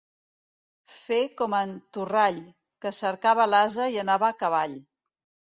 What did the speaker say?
Fer com en Torrall, que cercava l'ase i anava a cavall.